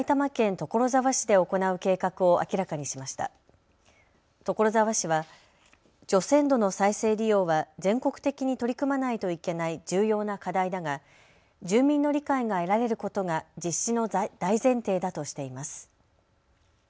所沢市は除染土の再生利用は全国的に取り組まないといけない重要な課題だが住民の理解が得られることが実施の大前提だとしています。